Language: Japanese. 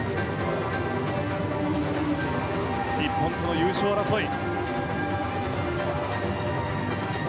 日本との優勝争い。